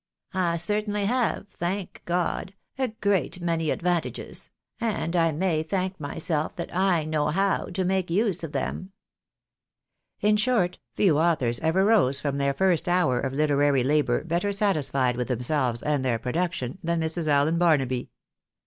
I certainly have, thank God ! a great many advantages — and I may thank myself that I know how to make use of them." In short, few authors ever rose from their first hour of hterary labour better satisfied with themselves and their production, than 128 THE BAENABYS IN AMERICA. Mrs. Allen Barnaby.